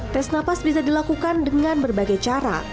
tes nafas bisa dilakukan dengan berbagai cara